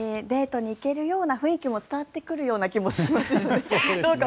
デートに行けるような雰囲気も伝わってくるような気もします。